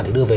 để đưa về